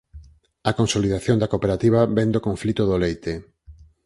A consolidación da cooperativa vén do conflito do leite.